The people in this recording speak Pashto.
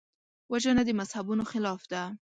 وژنه د مذهبونو خلاف ده